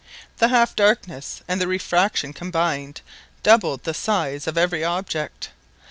The half darkness and the refraction combined doubled the size of every object.